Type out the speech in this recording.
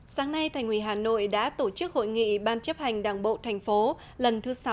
sáng nay thành ủy hà nội đã tổ chức hội nghị ban chấp hành đảng bộ thành phố lần thứ sáu